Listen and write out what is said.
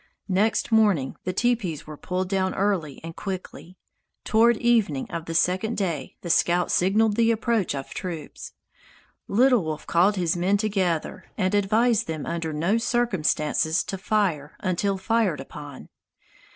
Next morning the teepees were pulled down early and quickly. Toward evening of the second day, the scouts signaled the approach of troops. Little Wolf called his men together and advised them under no circumstances to fire until fired upon.